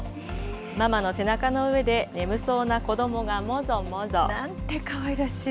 ママの背中の上で眠そうな子どもがもぞもぞ。なんてかわいらしい。